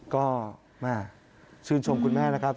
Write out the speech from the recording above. ก็แม่ชื่นชมคุณแม่นะครับ